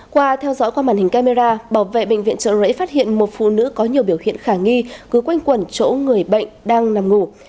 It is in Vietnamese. qua theo dõi qua màn hình camera bảo vệ bệnh viện trợ rẫy phát hiện một phụ nữ có nhiều biểu hiện khả nghi cứ quanh quẩn chỗ người bệnh đang nằm ngủ